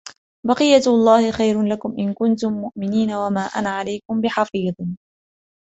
بقيت الله خير لكم إن كنتم مؤمنين وما أنا عليكم بحفيظ